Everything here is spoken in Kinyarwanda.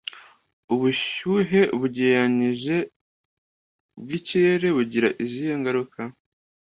Ubushuhe bugereranije bwikirere bugira izihe ngaruka